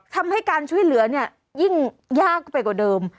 ทำให้การช่วยเหลือเนี่ยยิ่งยากไปกว่าเดิม